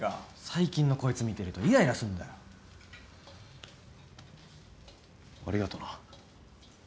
最近のこいつ見てるとイライラすんだよ。ありがとな。